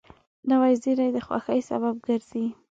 نوې زېری د خوښۍ سبب ګرځي